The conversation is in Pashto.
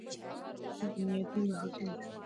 بنیادي ماخذونو ته اول لاس منابع ویلای سو.